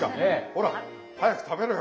ほら早く食べろよ！